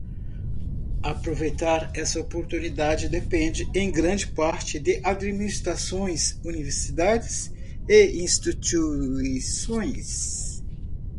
Aproveitar essa oportunidade depende em grande parte de administrações, universidades e instituições.